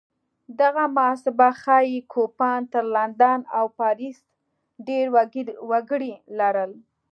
دغه محاسبه ښيي کوپان تر لندن او پاریس ډېر وګړي لرل